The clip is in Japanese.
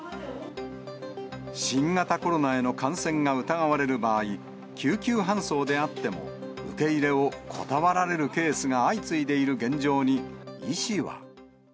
新型コロナへの感染が疑われる場合、救急搬送であっても、受け入れを断られるケースが相次いでいる現状に医師は。